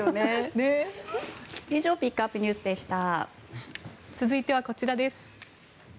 以上ピックアップＮＥＷＳでした。